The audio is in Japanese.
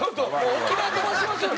沖縄飛ばしましょうよ